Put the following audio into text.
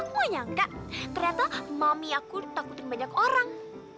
aku mau nyangka ternyata mami aku takutin banyak orang